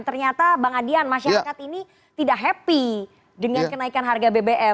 ternyata bang adian masyarakat ini tidak happy dengan kenaikan harga bbm